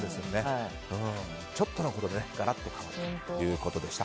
ちょっとのことでガラッと変わるということでした。